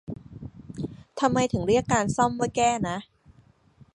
ทำไมถึงเรียกการซ่อมว่าแก้นะ